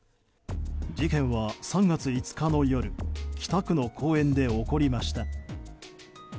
事件は３月５日の夜北区の公園で起こりました。